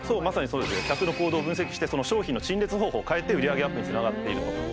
まさにそうでして客の行動を分析してその商品の陳列方法を変えて売り上げアップにつながっていると。